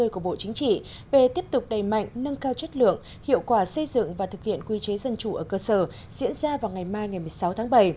bộ chính trị về tiếp tục đầy mạnh nâng cao chất lượng hiệu quả xây dựng và thực hiện quy chế dân chủ ở cơ sở diễn ra vào ngày mai ngày một mươi sáu tháng bảy